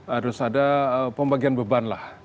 harus ada pembagian bebarat